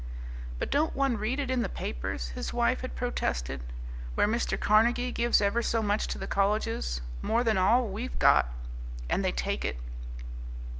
"But don't one read it in the papers," his wife had protested, "where Mr. Carnegie gives ever so much to the colleges, more than all we've got, and they take it?"